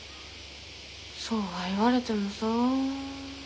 そうは言われてもさ。